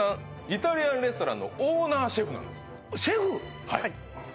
イタリアンレストランのオーナーシェフなんですシェフ？